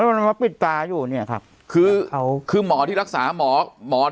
มันมาปิดตาอยู่เนี่ยครับคือเอาคือหมอที่รักษาหมอหมอ